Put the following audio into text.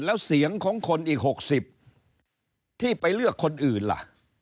แล้วเสียงของคนอีก๖๐ที่ไปเลือกคนอื่นล่ะ